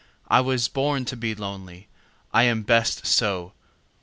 I was born to be lonely, I am best so!"